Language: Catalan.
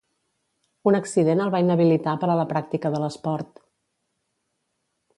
Un accident el va inhabilitar per a la pràctica de l'esport.